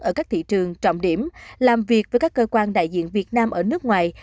ở các thị trường trọng điểm làm việc với các cơ quan đại diện việt nam ở nước ngoài